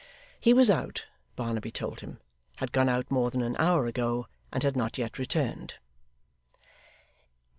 He was out, Barnaby told him; had gone out more than an hour ago; and had not yet returned.